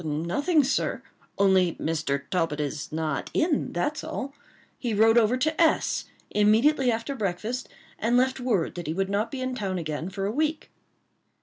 "Nothing, sir; only Mr. Talbot is not in, that's all. He rode over to S——, immediately after breakfast, and left word that he would not be in town again for a week."